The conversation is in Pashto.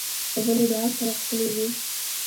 اوبه له دعا سره ښکلي وي.